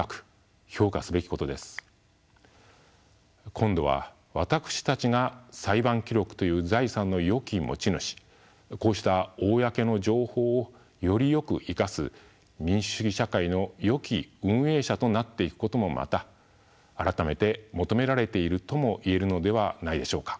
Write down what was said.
今度は私たちが裁判記録という財産のよき持ち主こうした公の情報をよりよく生かす民主主義社会の良き運営者となっていくこともまた改めて求められているともいえるのではないでしょうか。